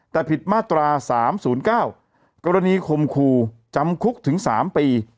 แต่ผิดมาตรา๓๐๙กรณีคมคู่จำคุกถึง๓ปี